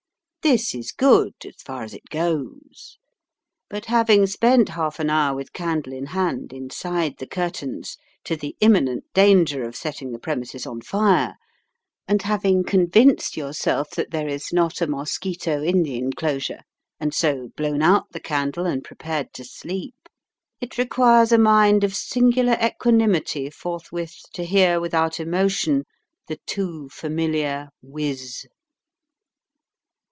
This is good, as far as it goes. But, having spent half an hour with candle in hand inside the curtains, to the imminent danger of setting the premises on fire, and having convinced yourself that there is not a mosquito in the inclosure, and so blown out the candle and prepared to sleep, it requires a mind of singular equanimity forthwith to hear without emotion the too familiar whiz.